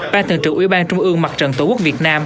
ban thường trực ủy ban trung ương mặt trận tổ quốc việt nam